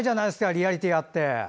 リアリティーがあって。